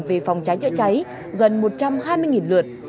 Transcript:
về phòng cháy chữa cháy gần một trăm hai mươi lượt